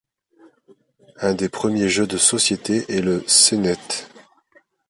Un des premiers jeux de société est le senet.